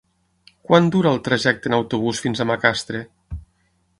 Quant dura el trajecte en autobús fins a Macastre?